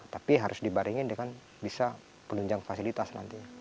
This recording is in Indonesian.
tapi harus dibaringin dengan bisa penunjang fasilitas nanti